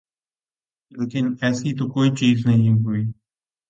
لیکن ایسی تو کوئی چیز نہیں ہوئی۔